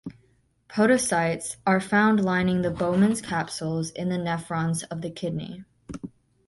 Podocytes are found lining the Bowman's capsules in the nephrons of the kidney.